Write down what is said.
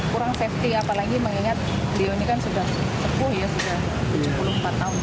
kurang safety apalagi mengingat beliau ini kan sudah sepuh ya sudah tujuh puluh empat tahun